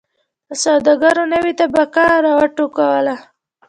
د سوداګرو نوې طبقه را و ټوکوله.